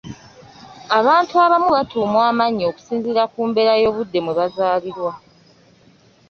Abantu abamu batuumwa amannya okusinziira ku mbeera y’obudde mwe bazaalirwa.